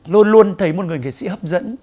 luôn luôn thấy một người nghệ sĩ hấp dẫn